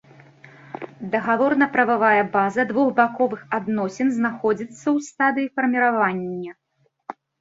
Дагаворна-прававая база двухбаковых адносін знаходзіцца ў стадыі фарміравання.